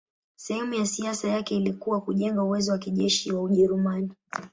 Sehemu ya siasa yake ilikuwa kujenga uwezo wa kijeshi wa Ujerumani.